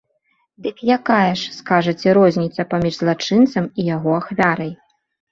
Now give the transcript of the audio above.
Дык якая ж, скажыце, розніца паміж злачынцам і яго ахвярай?